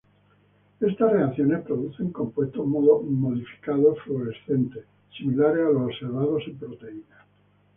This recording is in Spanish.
Estas reacciones producen compuestos modificados, fluorescentes, similares a los observados en proteínas.